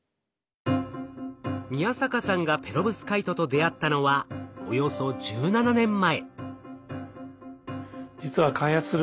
宮坂さんがペロブスカイトと出会ったのはおよそ１７年前。